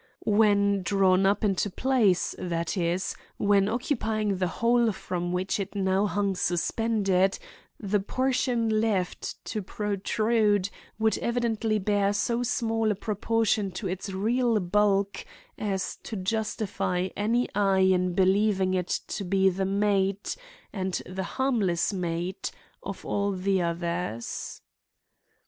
When drawn up into place, that is, when occupying the hole from which it now hung suspended, the portion left to protrude would evidently bear so small a proportion to its real bulk as to justify any eye in believing it to be the mate, and the harmless mate, of all the others.